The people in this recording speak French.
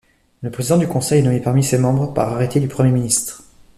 Le président du conseil est nommé parmi ses membres par arrêté du Premier ministre.